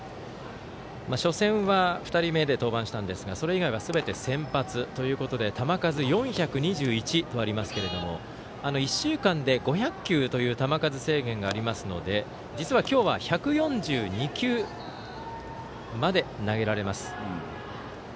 初戦は２人目で登板したんですがそれ以外はすべて先発ということで球数４２１とありますけど１週間で５００球という球数制限がありますので実は今日は１４２球まで投げられます。